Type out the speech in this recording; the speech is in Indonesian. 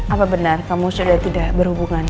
apa benar kamu sudah tidak berhubungan